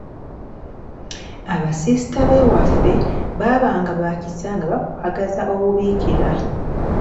Abasisita b’ewaffe baabanga ba kisa nga bakwagaza obubiikira.